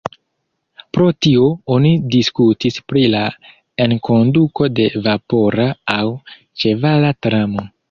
Pro tio oni diskutis pri la enkonduko de vapora aŭ ĉevala tramo.